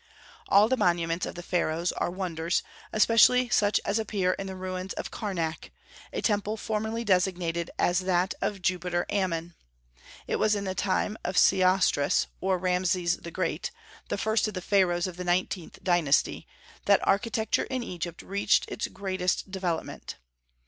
All the monuments of the Pharaohs are wonders, especially such as appear in the ruins of Karnak, a temple formerly designated as that of Jupiter Ammon. It was in the time of Sesostris, or Rameses the Great, the first of the Pharaohs of the nineteenth dynasty, that architecture in Egypt reached its greatest development.